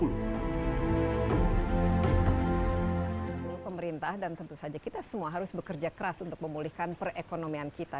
pemerintah dan tentu saja kita semua harus bekerja keras untuk memulihkan perekonomian kita